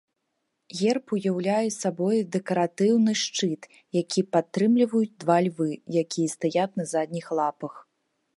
Герб уяўляе сабой дэкаратыўны шчыт, які падтрымліваюць два львы, якія стаяць на задніх лапах.